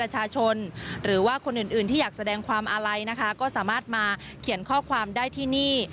หรือว่าคนอื่นอื่นที่อยากแสดงความอาลัยนะคะก็สามารถมาเขียนข้อความได้ที่นี่